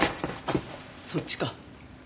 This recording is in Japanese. そっちか。